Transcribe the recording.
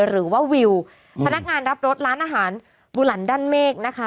หรือว่าวิวพนักงานรับรถร้านอาหารบุหลันด้านเมฆนะคะ